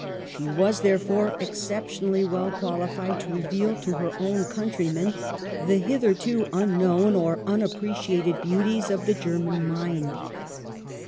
She was, therefore, exceptionally well qualified to reveal to her own countrymen the hitherto un known or unappreciated beauties of the German mind.